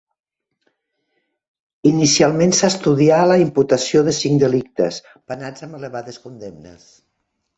Inicialment s'estudià la imputació de cinc delictes, penats amb elevades condemnes.